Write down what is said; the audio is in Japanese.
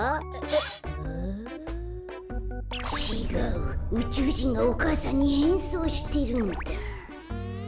うちゅうじんがお母さんにへんそうしてるんだ。